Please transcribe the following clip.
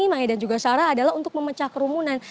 mae dan juga sarah adalah untuk memecah kerumunan